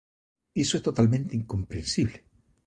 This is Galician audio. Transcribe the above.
Iso é totalmente incomprensible.